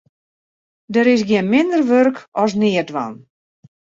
Der is gjin minder wurk as neatdwaan.